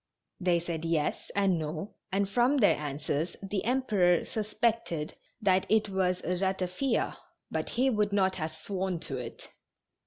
They said yes and no, and from their answers the Emperor suspected that it was ratafia, but he would not have sworn to it.